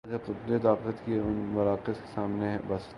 آج حکومتیں طاقت کے ان مراکز کے سامنے بے بس ہیں۔